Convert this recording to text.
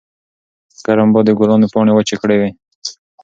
ګرم باد د ګلانو پاڼې وچې کړې وې.